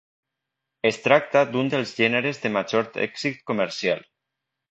Es tracta d'un dels gèneres de major èxit comercial.